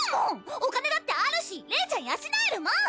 お金だってあるしレイちゃん養えるもん！